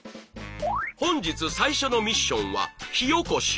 本日最初のミッションは火おこし。